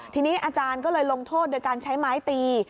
ทีนี้อาจารย์ก็เลยลงโทษโดยการใช้ไม้ตี